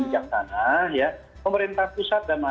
bijak tanah pemerintah pusat